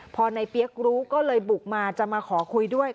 พอในเปี๊ยกรู้ก็เลยบุกมาจะมาขอคุยด้วย